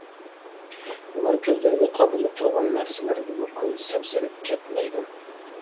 ئۇلار كۆزلىرىگە قادىلىپ تۇرغان نەرسىلەرگىمۇ ئانچە سەپسېلىپ كەتمەيدۇ.